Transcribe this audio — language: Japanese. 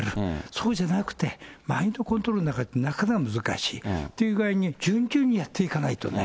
そうじゃなくて、マインドコントロールがなくなるのはなかなか難しい。っていう具合に、順々にやっていかないとね。